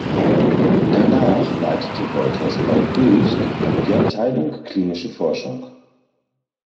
Danach leitete Wolters bei Hoechst die Abteilung Klinische Forschung.